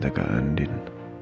minta kak andin